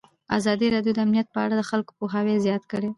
ازادي راډیو د امنیت په اړه د خلکو پوهاوی زیات کړی.